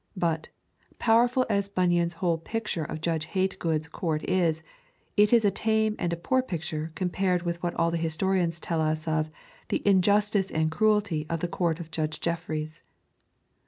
But, powerful as Bunyan's whole picture of Judge Hate good's court is, it is a tame and a poor picture compared with what all the historians tell us of the injustice and cruelty of the court of Judge Jeffreys.